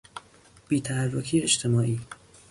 بیتحرکی اجتماعی